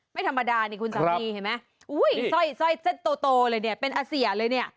ไม่ธรรมดานี่คุณสามีเห็นไหมอุ้ยสร้อยเส้นโตเลยเนี่ยเป็นอาเซียเลยเนี่ย